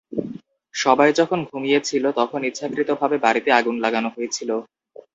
সবাই যখন ঘুমিয়ে ছিল, তখন ইচ্ছাকৃতভাবে বাড়িতে আগুন লাগানো হয়েছিল।